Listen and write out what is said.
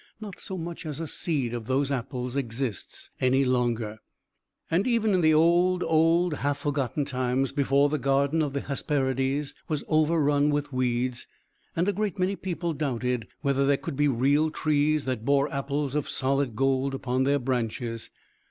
Not so much as a seed of those apples exists any longer. And, even in the old, old, half forgotten times, before the garden of the Hesperides was overrun with weeds, a great many people doubted whether there could be real trees that bore apples of solid gold upon their branches.